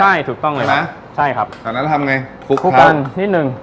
ใช่ถูกต้องเลยมั้ยใช่ครับจากนั้นทำไงคลุกกันนิดนึง